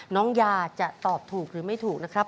น้องยาจะตอบถูกหรือไม่ถูกนะครับ